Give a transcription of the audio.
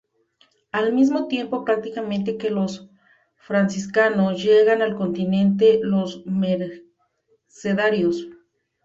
Al mismo tiempo, prácticamente que los franciscanos, llegan al continente los mercedarios.